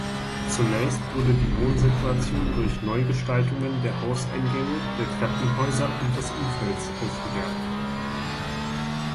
Zunächst wurde die Wohnsituation durch Neugestaltungen der Hauseingänge, der Treppenhäuser und des Umfelds aufgewertet.